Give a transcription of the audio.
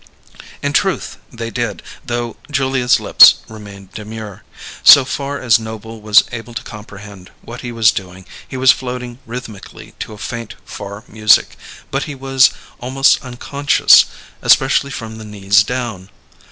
In truth, they did, though Julia's lips remained demure. So far as Noble was able to comprehend what he was doing, he was floating rhythmically to a faint, far music; but he was almost unconscious, especially from the knees down.